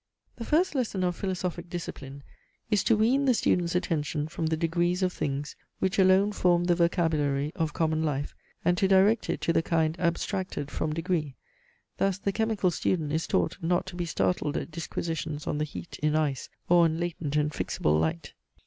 The first lesson of philosophic discipline is to wean the student's attention from the degrees of things, which alone form the vocabulary of common life, and to direct it to the kind abstracted from degree. Thus the chemical student is taught not to be startled at disquisitions on the heat in ice, or on latent and fixible light.